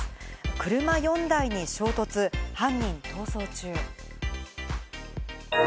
車４台に衝突、犯人逃走中。